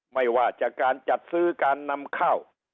ไม่ว่าจากการจัดซื้อการนำข้าว